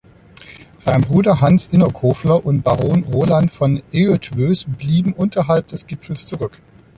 Sein Bruder Hans Innerkofler und Baron Roland von Eötvös blieben unterhalb des Gipfels zurück.